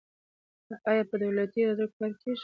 آیا په دولتي ادارو کې کار کیږي؟